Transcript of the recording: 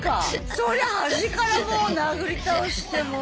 そりゃ端からもう殴り倒してもう。